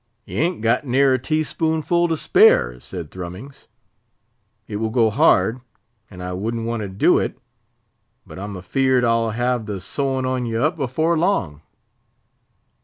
"Ye ain't got ne'er a teaspoonful to spare," said Thrummings. "It will go hard, and I wouldn't want to do it; but I'm afeard I'll have the sewing on ye up afore long!"